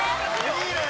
いいね！